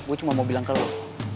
gue cuma mau bilang ke lo